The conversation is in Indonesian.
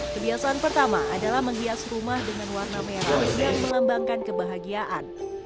kebiasaan pertama adalah menghias rumah dengan warna merah yang melambangkan kebahagiaan